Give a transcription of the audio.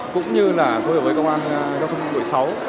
cũng như là phối hợp với công an giao thông đội sáu